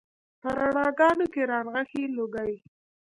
په رڼاګانو کې رانغښي لوګي